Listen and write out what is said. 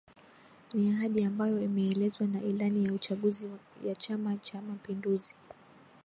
Ni ahadi ambayo imeelezwa na Ilani ya Uchaguzi ya Chama Cha Mapinduzi